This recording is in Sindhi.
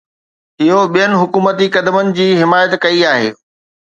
اهو ٻين حڪومتي قدمن جي حمايت ڪئي آهي.